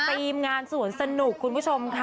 ทีมงานสวนสนุกคุณผู้ชมค่ะ